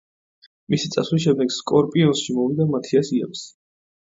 მისი წასვლის შემდეგ სკორპიონსში მოვიდა მათიას იაბსი.